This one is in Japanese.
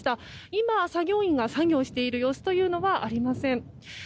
今、作業員が作業している様子はありません。